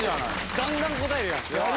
ガンガン答えるやん。